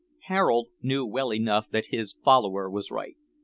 Harold knew well enough that his follower was right.